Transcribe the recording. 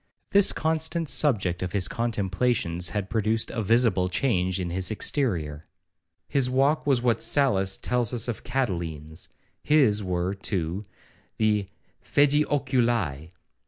This constant subject of his contemplations had produced a visible change in his exterior,—his walk was what Sallust tells us of Catiline's,—his were, too, the 'fædi oculi.'